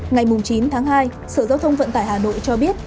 ngày chín tháng hai sở giao thông vận tải hà nội cho biết